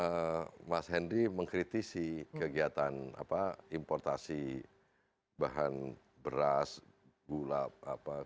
harusnya mas hendy mengkritisi kegiatan apa importasi bahan beras gula dan ya kaya gula